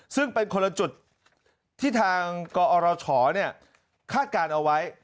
ซึ่งเป็นคนละจุดที่ทางกอรชคาดการณ์เอาไว้